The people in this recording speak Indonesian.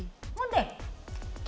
ini makanan dari mundi